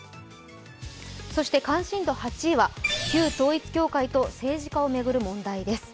関心度８位は旧統一教会と政治家を巡る問題です。